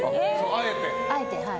あえて。